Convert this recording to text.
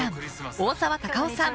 大沢たかおさん